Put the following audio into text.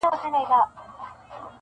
که همت وکړی نو ستاسي منت بار یو-